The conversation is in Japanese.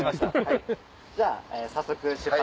じゃあ早速出発。